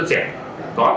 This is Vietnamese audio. có thực hợp